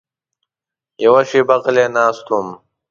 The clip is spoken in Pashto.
یوه شېبه غلی ناست وم.